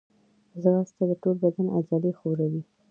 ځغاسته د ټول بدن عضلې ښوروي